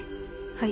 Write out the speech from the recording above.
はい。